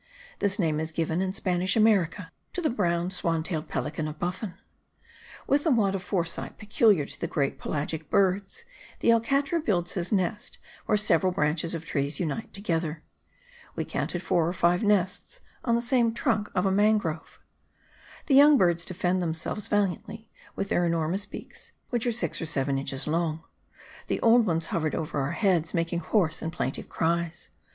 This name is given, in Spanish America, to the brown swan tailed pelican of Buffon. With the want of foresight peculiar to the great pelagic birds, the alcatra builds his nest where several branches of trees unite together. We counted four or five nests on the same trunk of a mangrove. The young birds defended themselves valiantly with their enormous beaks, which are six or seven inches long; the old ones hovered over our heads, making hoarse and plaintive cries.